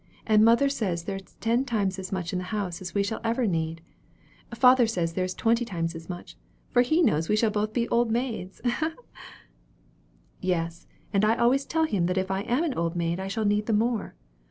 And mother says there is ten times as much in the house as we shall ever need. Father says there is twenty times as much; for he knows we shall both be old maids, ha! ha!" "Yes, and I always tell him that if I am an old maid I shall need the more.